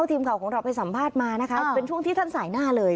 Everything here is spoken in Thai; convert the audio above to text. ทีมข่าวของเราไปสัมภาษณ์มานะคะเป็นช่วงที่ท่านสายหน้าเลย